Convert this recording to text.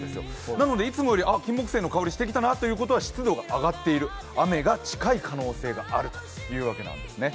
なのでいつもよりキンモクセイの香りがしてきたなっていうことは湿度が上がっている雨が近い可能性があるというわけなんですね。